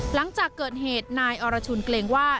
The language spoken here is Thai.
หลังจากเกิดเหตุนายอรชุนเกรงว่า